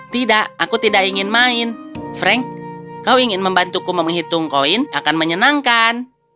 tidak aku tidak ingin main frank kau ingin membantuku menghitung koin akan menyenangkan